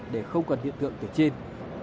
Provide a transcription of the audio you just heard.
để không cần hiện tượng từ trên